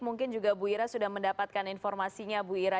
mungkin juga bu ira sudah mendapatkan informasinya bu ira